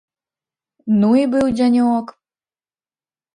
Ну і быў дзянёк!